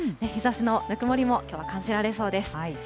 日ざしのぬくもりも、きょうは感じられそうです。